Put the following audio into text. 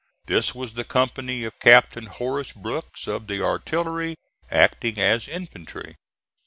This was the company of Captain Horace Brooks, of the artillery, acting as infantry.